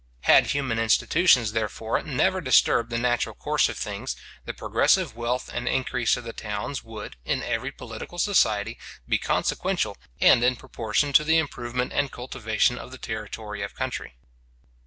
Had human institutions, therefore, never disturbed the natural course of things, the progressive wealth and increase of the towns would, in every political society, be consequential, and in proportion to the improvement and cultivation of the territory of country.